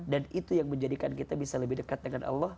dan itu yang menjadikan kita bisa lebih dekat dengan allah